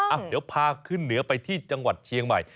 เดี๋ยวพาขึ้นเหนือไปที่จังหวัดเชียงใหม่